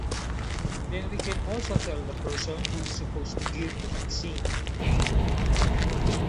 Then we can also tell the person who is suppose to give the vaccine.